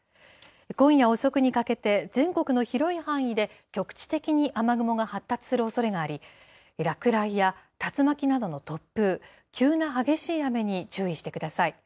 今夜遅くにかけて、全国の広い範囲で局地的に雨雲が発達するおそれがあり、落雷や竜巻などの突風、急な激しい雨に注意してください。